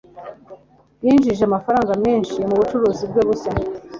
yinjije amafaranga menshi mubucuruzi bwe bushya